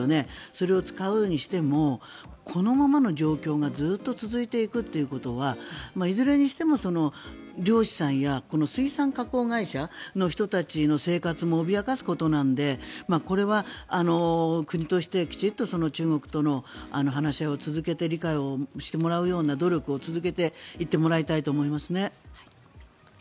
それを使うにしてもこのままの状況がずっと続いていくということはいずれにしても漁師さんや水産加工会社の人たちの生活も脅かすことなのでこれは国としてきちんと中国との話し合いを続けて理解をしてもらえるような努力を続けていってもらいたいと思いますね。